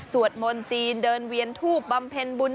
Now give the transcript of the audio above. มนต์จีนเดินเวียนทูบบำเพ็ญบุญ